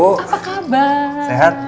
apa kabar sehat